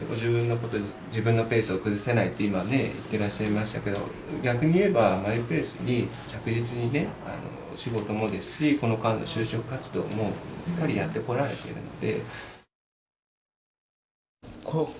自分のペースを崩せないって今ね言ってらっしゃいましたけど逆に言えばマイペースに着実にね仕事もですしこの間の就職活動もしっかりやってこられてるので。